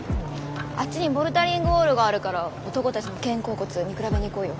あっちにボルダリングウォールがあるから男たちの肩甲骨見比べに行こうよ。